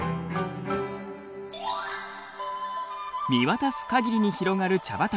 見渡す限りに広がる茶畑。